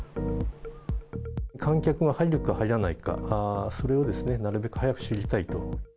観客が入るか入らないか、それをなるべく早く知りたいと。